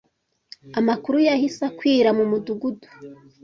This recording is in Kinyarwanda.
Amakuru yahise akwira mu mudugudu.